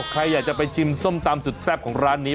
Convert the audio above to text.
ใครอยากจะไปชิมส้มตำสุดแซ่บของร้านนี้